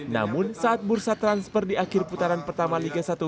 namun saat bursa transfer di akhir putaran pertama liga satu